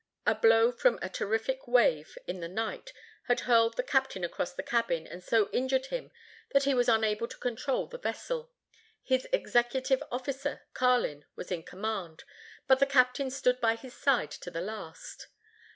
A blow from a terrific wave in the night had hurled the captain across his cabin and so injured him that he was unable to control his vessel. His executive officer, Carlin, was in command, but the captain stood by his side to the last.